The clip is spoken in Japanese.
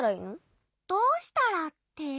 「どうしたら」って？